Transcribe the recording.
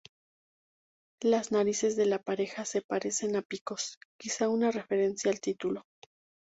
Las narices de la pareja se parecen a picos, quizá una referencia al título.